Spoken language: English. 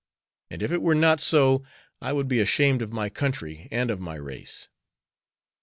And if it were not so I would be ashamed of my country and of my race."